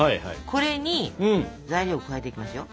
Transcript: これに材料を加えていきますよ。